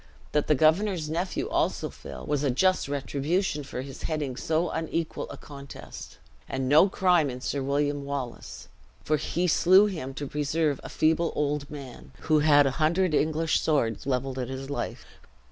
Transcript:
That the governor's nephew also fell, was a just retribution for his heading so unequal a contest, and no crime in Sir William Wallace; for he slew him to preserve a feeble old man, who had a hundred English swords leveled at his life."